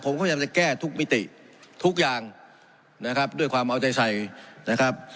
ผมพยายามจะแก้ทุกมิติทุกอย่างนะครับด้วยความเอาใจใส่นะครับ